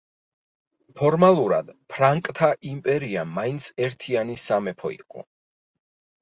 ფორმალურად ფრანკთა იმპერია მაინც ერთიანი სამეფო იყო.